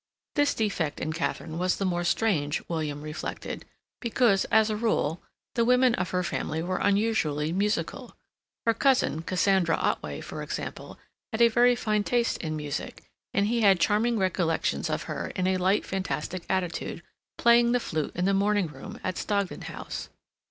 This defect in Katharine was the more strange, William reflected, because, as a rule, the women of her family were unusually musical. Her cousin, Cassandra Otway, for example, had a very fine taste in music, and he had charming recollections of her in a light fantastic attitude, playing the flute in the morning room at Stogdon House.